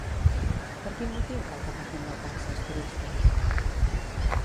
Per quin motiu cal que paguin la taxa els turistes?